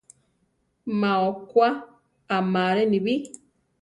Má okwá amaré, nibí.